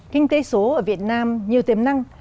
kinh tế số ở việt nam nhiều tiềm năng